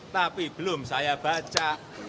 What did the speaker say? tapi belum saya baca